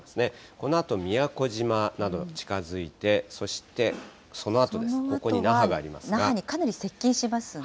このあと宮古島などに近づいて、そしてそのあと、ここに那覇があ那覇にかなり接近しますね。